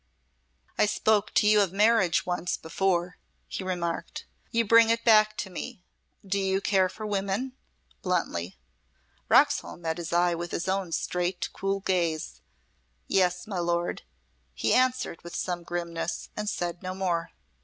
"I spoke to you of marriage once before," he remarked. "You bring it back to me. Do you care for women?" bluntly. Roxholm met his eye with his own straight, cool gaze. "Yes, my Lord," he answered with some grimness, and said no more.